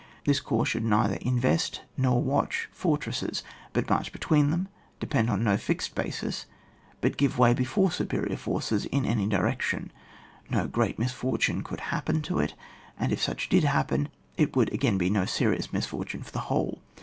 This corps should neither invest nor watch fortresses, but march between them, depend on no fixed basis, but give way before superior forces in any direction, no great misfortune could happen to it, and if such did hap pen, it would again be no serious mis fortune for the whole.